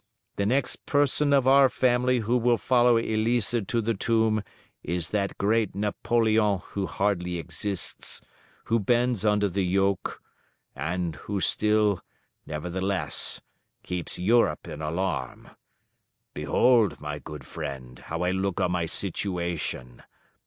The next person of our family who will follow Elisa to the tomb is that great Napoleon who hardly exists, who bends under the yoke, and who still, nevertheless keeps Europe in alarm. Behold, my good friend, how I look on my situation!